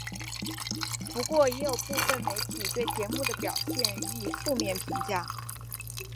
不过也有部分媒体对节目的表现予以负面评价。